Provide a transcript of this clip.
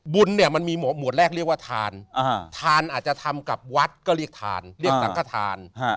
บุญเนี่ยมันมีหมวดแรกเรียกว่าทานทานอาจจะทำกับวัดก็เรียกทานเรียกสังขทาน